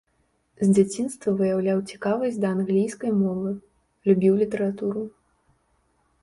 З дзяцінства выяўляў цікавасць да англійскай мовы, любіў літаратуру.